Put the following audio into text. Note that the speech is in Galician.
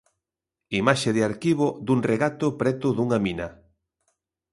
Imaxe de arquivo dun regato preto dunha mina.